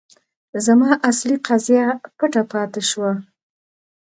زما اصلي قضیه پټه پاتې شوه.